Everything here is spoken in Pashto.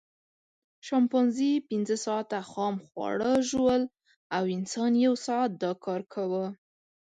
شامپانزي پینځه ساعته خام خواړه ژوول او انسان یو ساعت دا کار کاوه.